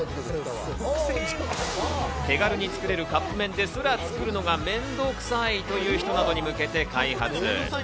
手軽に作れるカップ麺ですが、作るのが面倒くさいという人などに向けて開発。